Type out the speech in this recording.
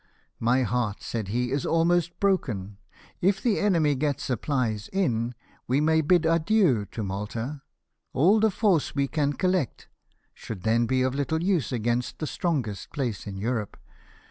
" My heart," said he, " is almost broken. If the enemy get supplies in, we may bid adieu to Malta, all the force we can collect would then be of little use against the strongest place in Europe.